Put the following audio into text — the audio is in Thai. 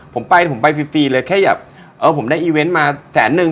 ผมไปผมไปฟรีเลยแค่แบบเออผมได้อีเวนต์มาแสนนึง